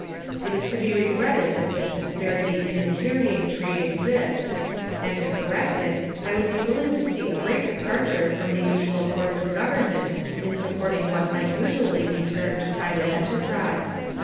It is to be regretted that this disparity in the carrying trade exists, and to correct it I would be willing to see a great departure from the usual course of Government in supporting what might usually be termed private enterprise.